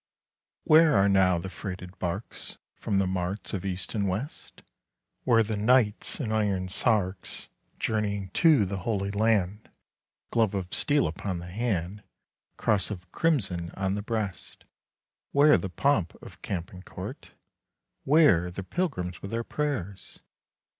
Where are now the freighted barks From the marts of east and west? Where the knights in iron sarks Journeying to the Holy Land, 40 Glove of steel upon the hand, Cross of crimson on the breast? Where the pomp of camp and court? Where the pilgrims with their prayers?